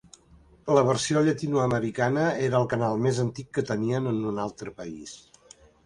La versió llatinoamericana era el canal més antic que tenien en un altre país.